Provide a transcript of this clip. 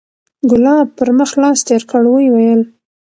ګلاب پر مخ لاس تېر کړ ويې ويل.